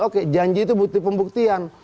oke janji itu bukti pembuktian